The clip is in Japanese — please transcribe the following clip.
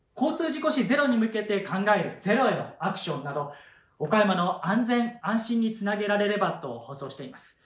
事故死ゼロへ向けて考える「ゼロへのアクション」など岡山の安全安心につなげられればと放送しています。